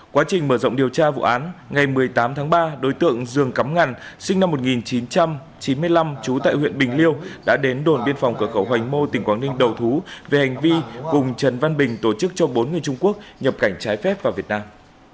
quá trình mở rộng điều tra vụ án ngày một mươi tám tháng ba đối tượng dương cắm ngàn sinh năm một nghìn chín trăm chín mươi năm trú tại huyện bình liêu đã đến đồn biên phòng cửa khẩu hoành mô tỉnh quảng ninh đầu thú về hành vi cùng trần văn bình tổ chức cho bốn người trung quốc nhập cảnh trái phép vào việt nam